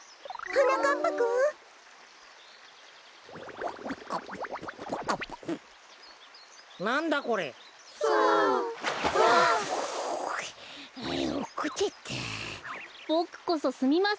はなかっぱくん！え！？